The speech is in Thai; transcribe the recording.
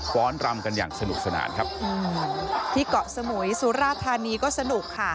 ้อนรำกันอย่างสนุกสนานครับอืมที่เกาะสมุยสุราธานีก็สนุกค่ะ